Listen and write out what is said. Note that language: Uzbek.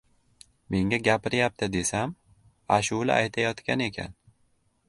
Menga gapiryapti, desam, ashula aytayotgan ekan: